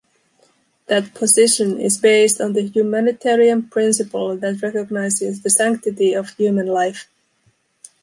That position is based on the humanitarian principle that recognizes the sanctity of human life.